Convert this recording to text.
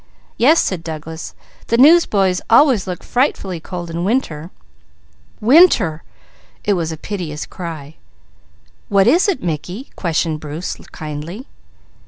"Yes," said Douglas. "The newsboys always look frightfully cold in winter." "Winter!" It was a piteous cry. "What is it, Mickey?" questioned Bruce kindly.